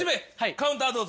カウンターどうぞ。